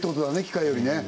機械よりね